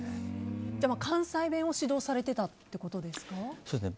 関西弁を指導されていたということですか。